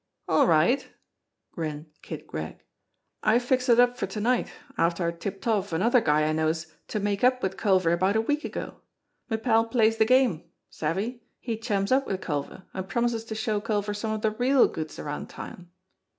"All right," grinned Kid Gregg. "I fixed it up for to night, after I'd tipped off another guy I knows to make up wid Culver about a week ago. Me pal plays de game. Savvy? He chums up wid Culver, an' promises to show Culver some of de real goods around town.